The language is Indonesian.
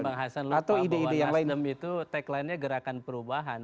bang hasan lutfi bahwa nasdem itu tagline nya gerakan perubahan